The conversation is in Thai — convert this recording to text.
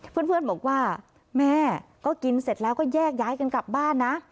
เพื่อนบอกว่าแม่ก็กินเสร็จแล้วก็แยกย้ายกันกลับบ้านนะ